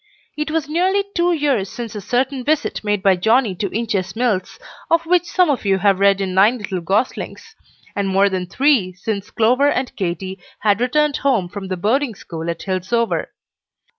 It was nearly two years since a certain visit made by Johnnie to Inches Mills, of which some of you have read in "Nine Little Goslings;" and more than three since Clover and Katy had returned home from the boarding school at Hillsover.